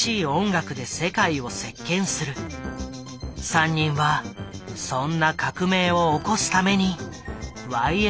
３人はそんな革命を起こすためにＹＭＯを結成した。